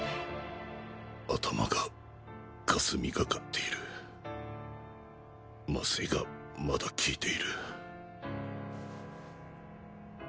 頭が霞がかっている麻酔がまだ効いている